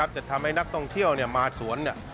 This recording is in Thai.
จะทำให้นักท่องเที่ยวมาสวน